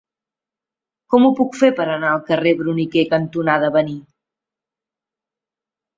Com ho puc fer per anar al carrer Bruniquer cantonada Avenir?